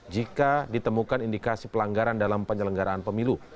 jika ditemukan indikasi pelanggaran dalam penyelenggaraan pemilu